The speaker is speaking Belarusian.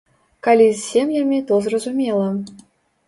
Калі з сем'ямі, то зразумела.